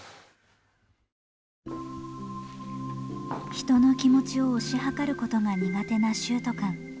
人の気持ちを推し量ることが苦手な秀斗くん。